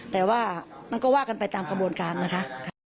แต่ว่ามันก็ว่ากันไปตามกระบวนการนะคะ